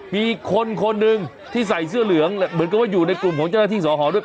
มีคนคนหนึ่งที่ใส่เสื้อเหลืองเหมือนกับว่าอยู่ในกลุ่มของเจ้าหน้าที่สอหอด้วย